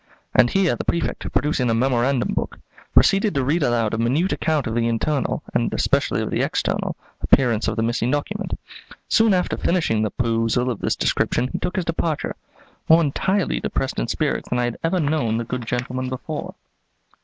and here the Prefect, producing a memorandum book, proceeded to read aloud a minute account of the internal, and especially of the external, appearance of the missing document. Soon after finishing the perusal of this description he took his departure, more entirely depressed in spirits than I had ever known the good gentleman before.